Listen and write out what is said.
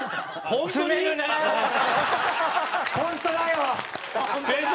本当だよ！